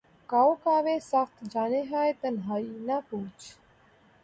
کاؤ کاوِ سخت جانیہائے تنہائی، نہ پوچھ